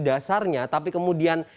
dasarnya tapi kemudian